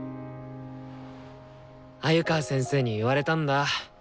鮎川先生に言われたんだ。